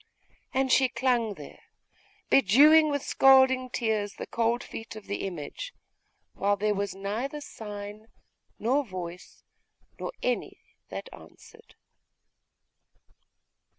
And she clung there, bedewing with scalding tears the cold feet of the image, while there was neither sign, nor voice, nor any that answered.